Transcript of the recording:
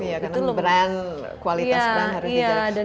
iya karena brand kualitas brand harus dijalankan